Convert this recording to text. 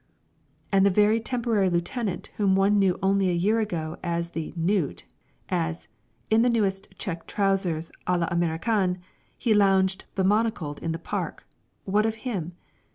And the very Temporary Lieutenant whom one knew only a year ago as the "knut," as, in the newest check trousers à l'Américain, he lounged bemonocled in the Park, what of him?